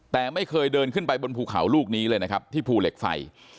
แต่ไม่เคยเดินขึ้นไปบนภูเขาลูกนี้เลยนะครับที่ภูเหล็กไฟ